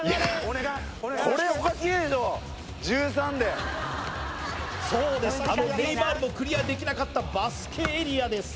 これそうですあのネイマールもクリアできなかったバスケエリアです